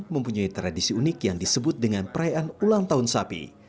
mempunyai tradisi unik yang disebut dengan perayaan ulang tahun sapi